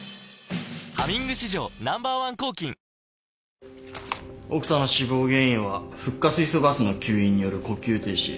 「ハミング」史上Ｎｏ．１抗菌奥さんの死亡原因はフッ化水素ガスの吸引による呼吸停止。